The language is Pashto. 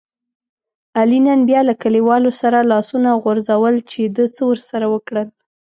علي نن بیا له کلیوالو سره لاسونه غورځول چې ده څه ورسره وکړل.